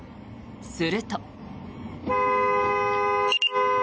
すると。